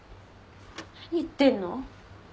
何言ってんの？